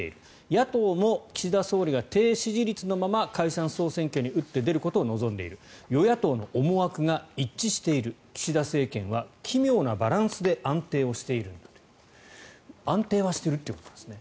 野党も岸田総理が低支持率のまま解散・総選挙に打って出ることを望んでいる与野党の思惑が一致している岸田政権は奇妙なバランスで安定している安定はしているということなんですね。